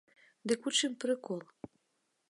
Дык у чым прыкол?